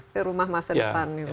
ke rumah masa depan